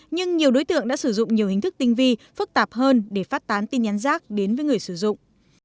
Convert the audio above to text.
nhưng nhiều đối tượng đã sử dụng nhiều hình thức tinh vi phức tạp hơn để phát tán tin nhắn rác đến với người sử dụng